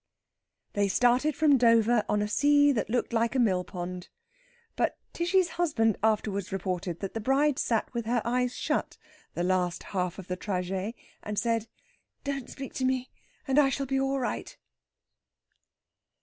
They started from Dover on a sea that looked like a mill pond; but Tishy's husband afterwards reported that the bride sat with her eyes shut the last half of the trajet, and said, "Don't speak to me, and I shall be all right."